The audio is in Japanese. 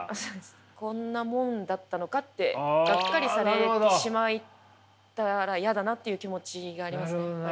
こんなもんだったのかってがっかりされてしまったら嫌だなっていう気持ちがありますねはい。